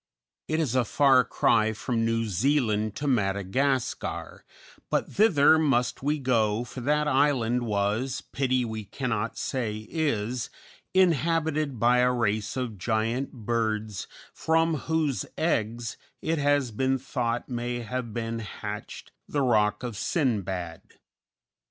It is a far cry from New Zealand to Madagascar, but thither must we go, for that island was, pity we cannot say is, inhabited by a race of giant birds from whose eggs it has been thought may have been hatched the Roc of Sindbad.